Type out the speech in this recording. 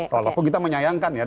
walaupun kita menyayangkan ya